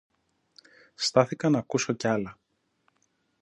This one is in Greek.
Στάθηκα ν' ακούσω και άλλα